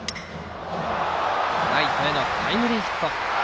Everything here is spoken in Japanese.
ライトへのタイムリーヒット。